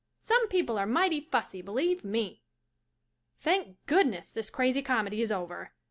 Some people are mighty fussy, believe me. Thank goodness this crazy comedy is over.